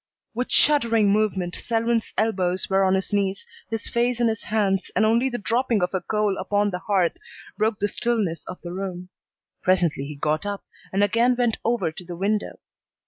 With shuddering movement Selwyn's elbows were on his knees, his face in his hands, and only the dropping of a coal upon the hearth broke the stillness of the room. Presently he got up and again went over to the window.